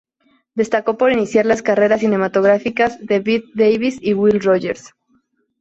Destacó por iniciar las carreras cinematográficas de Bette Davis y Will Rogers.